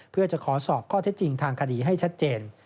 เพื่อจะขอสอบข้อเท็จจริงทางคดีให้ชัดเจน